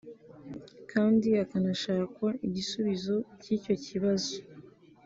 kandi hakanashakwa igisubizo cy’icyo kibazo